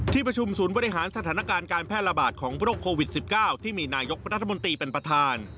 ที่ประชุมศูนย์บริหารสถานการณ์การแพร่ระบาดของโรคโควิด๑๙ที่มีนายกรัฐมนตรีเป็นประธาน